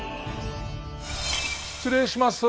失礼します。